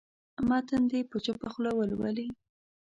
متن دې په چوپه خوله ولولي.